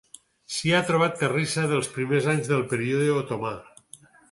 S'hi ha trobat terrissa dels primers anys del període otomà.